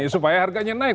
supaya harganya naik